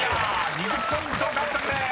２０ポイント獲得です］